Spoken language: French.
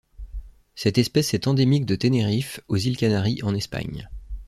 Cette espèce est endémique de Tenerife aux Îles Canaries en Espagne.